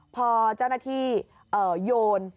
พอเจ้าหน้าที่โยน